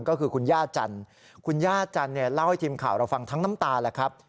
ก็คือคุณย่าจันทร์คุณย่าจันทร์เนี่ยเล่าให้ทีมข่าวเราฟังทั้งน้ำตาแหละครับ